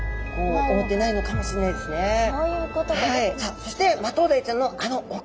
そしてマトウダイちゃんのあのお口。